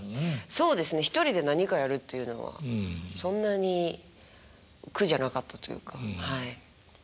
そうですね１人で何かやるっていうのはそんなに苦じゃなかったというかはい。